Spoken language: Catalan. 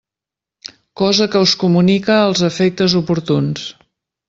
Cosa que us comunique als efectes oportuns.